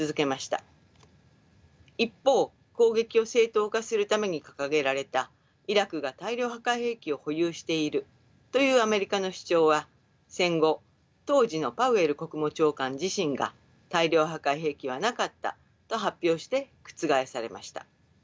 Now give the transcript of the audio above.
一方攻撃を正当化するために掲げられたイラクが大量破壊兵器を保有しているというアメリカの主張は戦後当時のパウエル国務長官自身が大量破壊兵器はなかったと発表して覆されました。